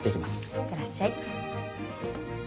いってらっしゃい。